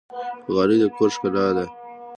غالۍ د کور ښکلا ده